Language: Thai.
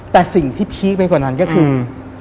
แต่สิ่งที่พีคไปกว่านั้นก็คือ